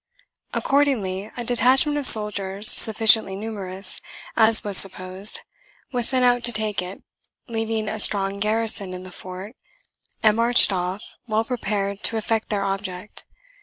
Accordingly a detachment of soldiers, sufficiently numerous, as was supposed, was sent out to take it, leaving a strong garrison in the fort, and marched off, well prepared to effect their object.